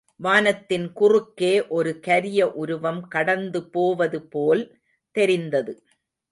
வானத்தின் குறுக்கே ஒரு கரிய உருவம் கடந்து போவதுபோல் தெரிந்தது.